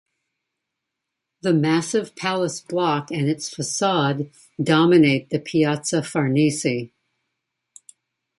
The massive palace block and its facade dominate the Piazza Farnese.